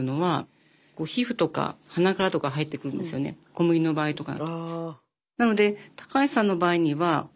小麦の場合とかだと。